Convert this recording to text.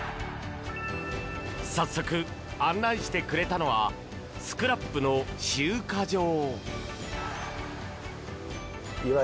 早速、案内してくれたのはスクラップの集荷場。